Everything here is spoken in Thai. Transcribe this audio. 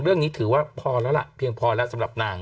เรื่องนี้ถือว่าพอเรียงพอสำหรับนาง